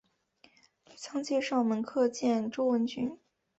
吕仓介绍门客见周文君。